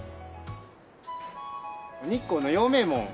日光の陽明門を。